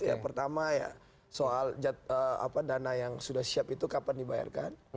ya pertama ya soal dana yang sudah siap itu kapan dibayarkan